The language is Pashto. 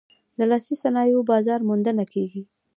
د لاسي صنایعو بازار موندنه کیږي؟